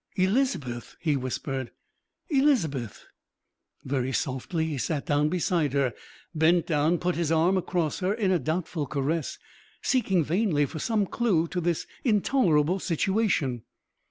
"Elizabeth!" he whispered "Elizabeth!" Very softly he sat down beside her, bent down, put his arm across her in a doubtful caress, seeking vainly for some clue to this intolerable situation.